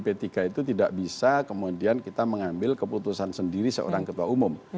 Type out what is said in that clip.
p tiga itu tidak bisa kemudian kita mengambil keputusan sendiri seorang ketua umum